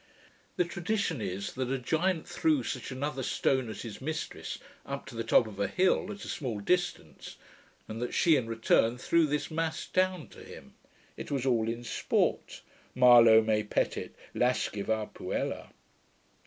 The tradition is, that a giant threw such another stone at his mistress, up to the top of a hill, at a small distance; and that she in return, threw this mass down to him. It was all in sport. Malo me petit lasciva puella.